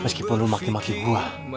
meskipun lu maki maki gua